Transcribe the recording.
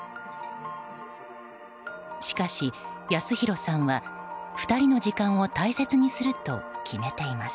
しかし康弘さんは２人の時間を大切にすると決めています。